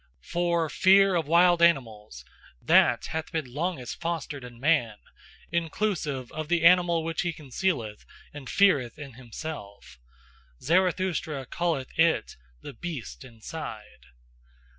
For fear of wild animals that hath been longest fostered in man, inclusive of the animal which he concealeth and feareth in himself: Zarathustra calleth it 'the beast inside.